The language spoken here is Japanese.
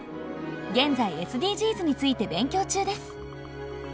現在ＳＤＧｓについて勉強中です。